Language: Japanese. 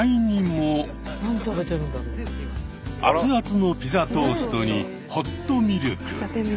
アツアツのピザトーストにホットミルク。